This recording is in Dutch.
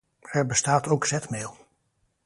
Er bestaat ook zetmeel.